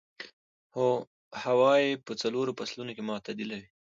هوا يې په څلورو فصلونو کې معتدله وي.